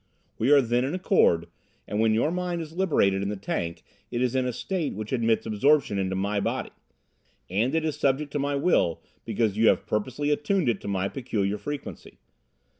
We are then in accord, and when your mind is liberated in the tank it is in a state which admits absorption into my body. And it is subject to my will because you have purposely attuned it to my peculiar frequency.